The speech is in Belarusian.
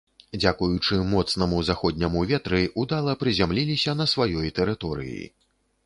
Дзякуючы моцнаму заходняму ветры ўдала прызямліліся на сваёй тэрыторыі.